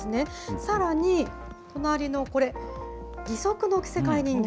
さらに、隣のこれ、義足の着せ替え人形。